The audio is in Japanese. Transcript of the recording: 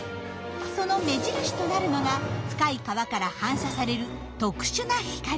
その目印となるのが深い川から反射される特殊な光。